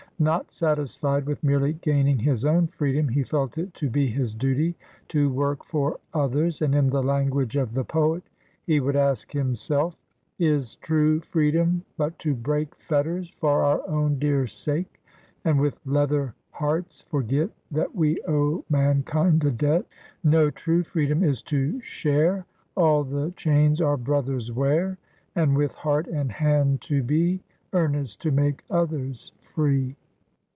Not satis fied with merely gaining his own freedom, he felt it to be his duty to work for others; and, in the language of the poet, he would ask himself — M Is true freedom but to break Fetters for our own dear sake, And, with leather hearts, forget, That we owe mankind a debt r No ! true freedom is to share All the chains our brothers wear, And with heart and hand to be Earnest to make others free."